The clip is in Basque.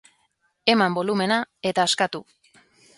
Eman bolumena eta askatu!